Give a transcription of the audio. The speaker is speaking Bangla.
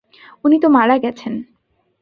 উনি তো মারা গেছেন।